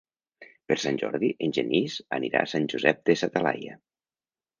Per Sant Jordi en Genís anirà a Sant Josep de sa Talaia.